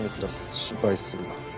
心配するな」。